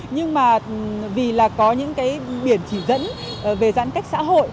nhưng mà vì là có những cái biển chỉ dẫn về giãn cách xã hội